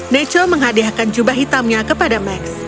neco menghadiahkan jubah hitamnya kepada max